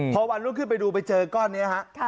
พอวันรุ่งขึ้นไปดูไปเจอก้อนนี้ฮะ